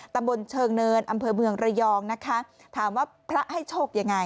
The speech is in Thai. ตำบลเชิงเนินอำเภอเมืองระยองนะคะถามว่าพระให้โชคยังไง